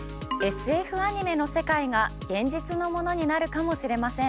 ＳＦアニメの世界が現実のものになるかもしれません。